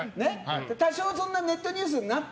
多少ネットニュースになって。